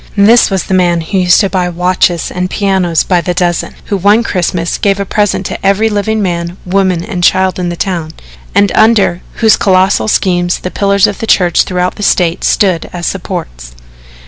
This was the man who used to buy watches and pianos by the dozen, who one Xmas gave a present to every living man, woman and child in the town, and under whose colossal schemes the pillars of the church throughout the State stood as supports.